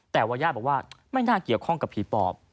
แต่ว่าญาติบอกว่าไม่น่าเกี่ยวข้องกับผีปอบ